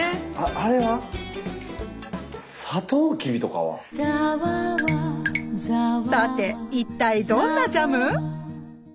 あれはさて一体どんなジャム？